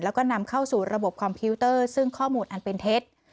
แล้วก็นำเข้าสู่ระบบคอมพิวเตอร์ซึ่งข้อมูลอันเป็นเท็จ